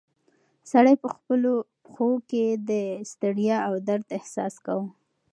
سړی په خپلو پښو کې د ستړیا او درد احساس کاوه.